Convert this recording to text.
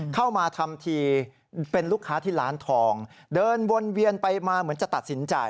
เข้ามาทำทีเป็นลูกค้าที่ร้านทองเดินวนเวียนไปมาเหมือนจะตัดสินใจ